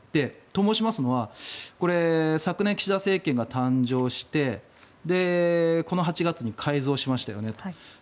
と申しますのは昨年、岸田政権が誕生してこの８月に改造しましたよねと。